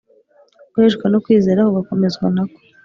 guheshwa no kwizera kugakomezwa na ko